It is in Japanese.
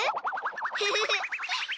フフフ。